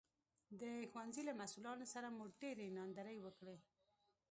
د ښوونځي له مسوولانو سره مو ډېرې ناندرۍ وکړې